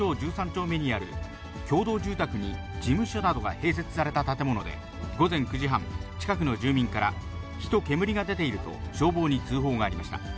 丁目にある共同住宅に事務所などが併設された建物で、午前９時半、近くの住民から、火と煙が出ていると、消防に通報がありました。